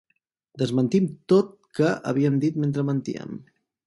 Desmentim tot que havíem dit mentre mentíem.